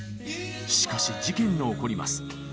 しかし事件が起こります。